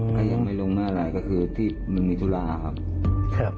ถ้าใครอย่างไม่ลงมาลายก็คือที่มันไม่มีธุระครับ